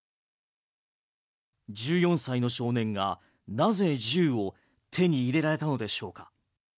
１４歳の少年が、なぜ銃を手に入れられたのでしょうか？